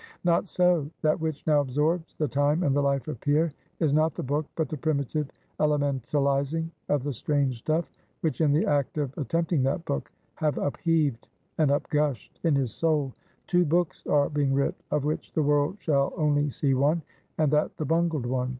Not so; that which now absorbs the time and the life of Pierre, is not the book, but the primitive elementalizing of the strange stuff, which in the act of attempting that book, have upheaved and upgushed in his soul. Two books are being writ; of which the world shall only see one, and that the bungled one.